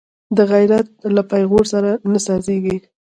غیرت له پېغور سره نه سازېږي